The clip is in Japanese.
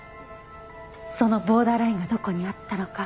そのボーダーラインがどこにあったのか。